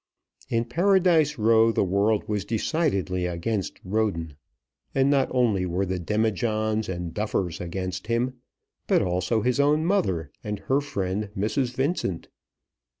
In Paradise Row the world was decidedly against Roden; and not only were the Demijohns and Duffers against him, but also his own mother and her friend Mrs. Vincent.